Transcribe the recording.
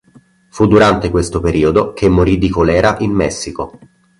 Fu durante questo periodo che morì di colera in Messico.